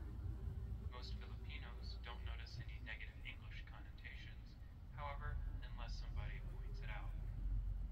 Most Filipinos don't notice any negative English connotations, however, unless somebody points it out.